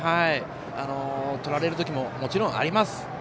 とられるときももちろんあります。